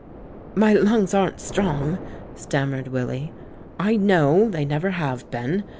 "My lungs aren't strong," stammered Willy. "I know ; they never have been.